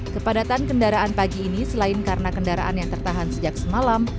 kepadatan kendaraan pagi ini selain karena kendaraan yang tertahan sejak semalam